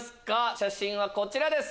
写真はこちらです。